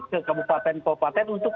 ke kabupaten kabupaten untuk